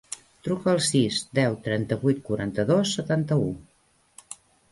Truca al sis, deu, trenta-vuit, quaranta-dos, setanta-u.